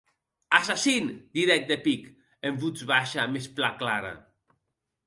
Assassin, didec de pic, en votz baisha mès plan clara.